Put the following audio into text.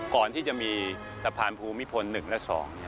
ก่อนที่จะมีสะพานภูมิพลหนึ่งและสอง